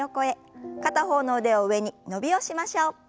片方の腕を上に伸びをしましょう。